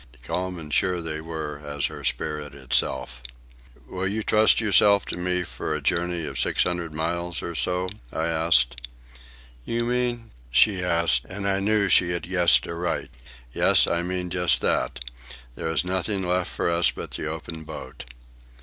Calm and sure they were as her spirit itself. "Will you trust yourself to me for a journey of six hundred miles or so?" I asked. "You mean—?" she asked, and I knew she had guessed aright. "Yes, I mean just that," I replied. "There is nothing left for us but the open boat."